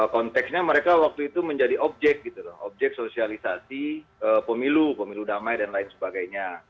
konteksnya mereka waktu itu menjadi objek gitu loh objek sosialisasi pemilu pemilu damai dan lain sebagainya